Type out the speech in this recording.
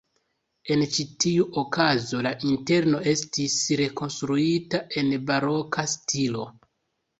En ĉi tiu okazo la interno estis rekonstruita en baroka stilo.